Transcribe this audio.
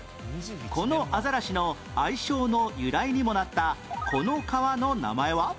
このアザラシの愛称の由来にもなったこの川の名前は？